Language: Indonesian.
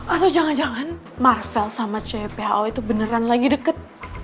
atau jangan jangan marvell sama cewek pho itu beneran lagi deket